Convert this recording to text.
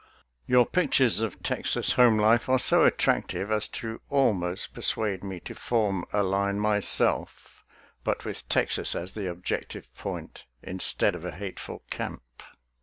Your pictures of Texas home life are so at tractive as to almost persuade me to " form a line" myself, but with Texas as the objective point, instead of a hateful camp.